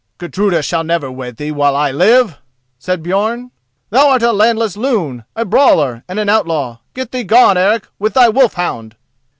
"Gudruda shall never wed thee, while I live!" said Björn; "thou art a landless loon, a brawler, and an outlaw. Get thee gone, Eric, with thy wolf hound!"